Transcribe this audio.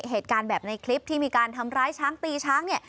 เหตุการณ์แบบในคลิปที่มีการทำร้ายช้างตีช้าง